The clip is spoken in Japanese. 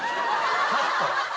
カット。